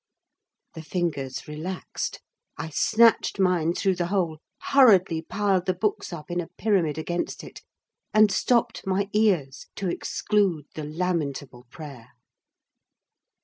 The fingers relaxed, I snatched mine through the hole, hurriedly piled the books up in a pyramid against it, and stopped my ears to exclude the lamentable prayer.